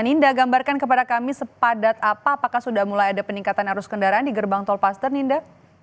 ninda gambarkan kepada kami sepadat apa apakah sudah mulai ada peningkatan arus kendaraan di gerbang tolpaster ninda